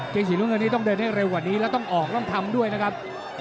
เกงสีน้ำเงินนี้ต้องเดินให้เร็วกว่านี้แล้วต้องออกต้องทำด้วยนะครับ